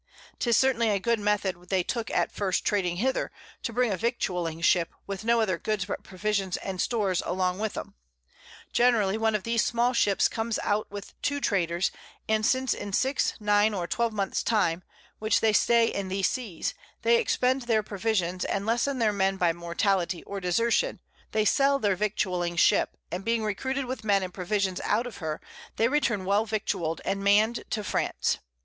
'Tis certainly a good Method they took at first trading hither, to bring a Victualling Ship with no other Goods but Provisions and Stores along with 'em. Generally one of these small Ships comes out with two Traders, and since in six, nine, or 12 Months time, which they stay in these Seas, they expend their Provisions, and lessen their Men by Mortality or Desertion, they sell their Victualling Ship, and being recruited with Men and Provisions out of her, they return well victualled and mann'd to France.